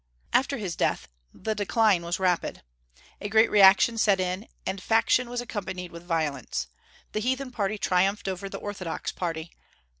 After his death the decline was rapid. A great reaction set in, and faction was accompanied with violence. The heathen party triumphed over the orthodox party.